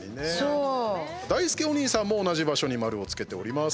だいすけお兄さんも同じ場所に丸をつけております。